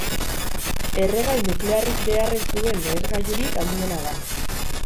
Erregai nuklearrik behar ez duen lehergailurik handiena da.